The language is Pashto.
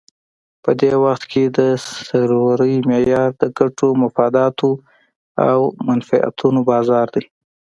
په دې وخت کې د سرورۍ معیار د ګټو، مفاداتو او منفعتونو بازار دی.